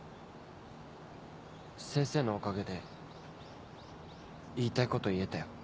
先生のおかげで言いたいこと言えたよ。